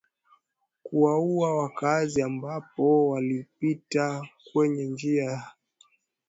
kuwaua wakaazi ambapo walipita kwenye njia yao na kuchoma moto magari sita